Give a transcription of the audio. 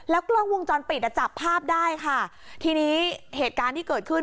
กล้องวงจรปิดอ่ะจับภาพได้ค่ะทีนี้เหตุการณ์ที่เกิดขึ้น